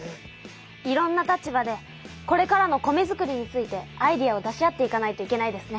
いろんな立場でこれからの米づくりについてアイデアを出し合っていかないといけないですね。